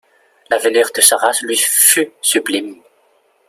L'avenir de sa race lui fut sublime.